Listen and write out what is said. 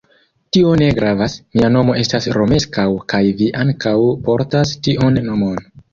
Tio ne gravas, mia nomo estas Romeskaŭ kaj vi ankaŭ portas tiun nomon.